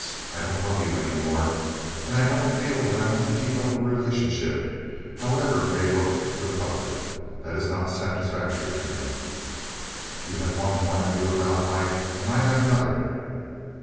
I don't love you any more, and I don't feel that I want to keep up a relationship, however it may look to the public, that is not satisfactory to me. You have one point of view about life, and I have another.